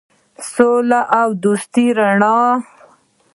د سولې او دوستۍ رڼا.